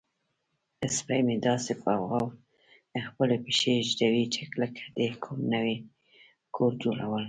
سپی مې داسې په غور خپلې پښې ږدوي لکه د کوم نوي کور جوړول.